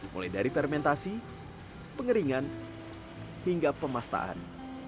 mulai dari fermentasi pengeringan hingga pemastaan